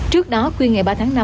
trước đó khuya ngày ba tháng năm